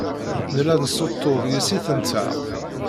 Nella nessuṭṭuḍ yessi-tenteɣ.